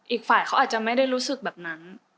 อีกฝ่ายเขาอาจจะไม่ได้รู้สึกแบบนั้น